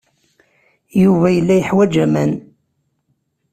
Yuba yella yeḥwaj aman.